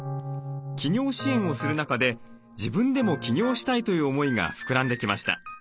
起業支援をする中で自分でも起業したいという思いが膨らんできました。